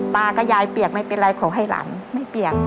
ตากับยายเปียกไม่เป็นไรขอให้หลานไม่เปียก